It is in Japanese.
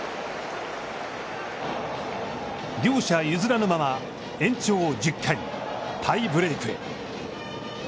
両者譲らぬまま、延長１０回タイブレークへ。